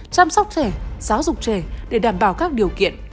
chăm sóc trẻ giáo dục trẻ để đảm bảo các điều kiện